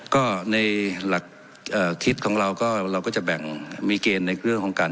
ก็ในหลักคิดของเราก็เราก็จะแบ่งมีเกณฑ์ในเรื่องของการ